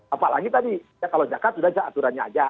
apalagi tadi kalau zakat udah aja aturannya aja